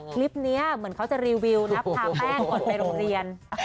คลิปนี้เหมือนเขาจะรีวิวนับพาแป้งก่อนไปโรงเรียน